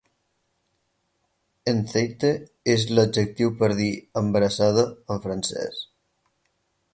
"Enceinte" és l'adjectiu per dir "embarassada" en francès.